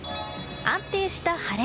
安定した晴れ。